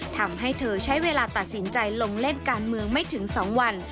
ทำให้เธอใช้เวลาตัดสินใจลงเล่นการเมืองไม่ถึง๒วัน